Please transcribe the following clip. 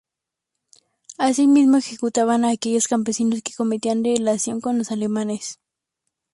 Asimismo ejecutaban a aquellos campesinos que cometían delación con los alemanes.